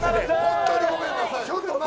本当にごめんなさい！